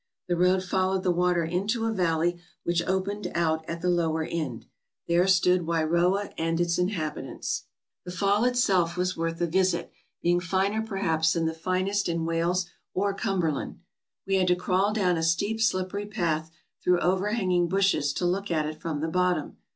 The road fol lowed the water into a valley, which opened out at the lower end. There stood Wairoa and its inhabitants. 438 TRAVELERS AND EXPLORERS The fall itself was worth a visit, being finer perhaps than the finest in Wales or Cumberland. We had to crawl down a steep slippery path through overhanging bushes to look at it from the bottom.